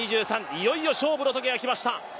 いよいよ勝負のときがきました。